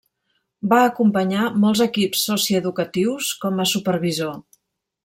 Va acompanyar molts equips socioeducatius com a supervisor.